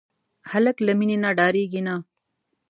هلک له مینې نه ډاریږي نه.